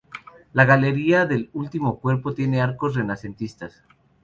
La galería del último cuerpo tiene arcos renacentistas.